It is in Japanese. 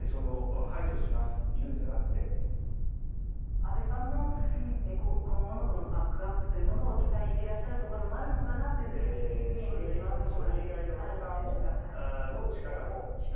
安倍さんの今後のバックアップというものを期待してらっしゃるところもるのかなというふうに見えてしまうところもあるのですが。